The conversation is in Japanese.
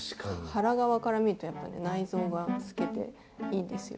腹側から見るとやっぱね内臓が透けていいんですよ。